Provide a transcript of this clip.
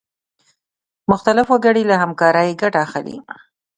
مختلف وګړي له همکارۍ ګټه اخلي.